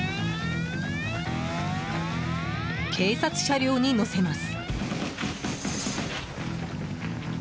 警察車両に乗せます。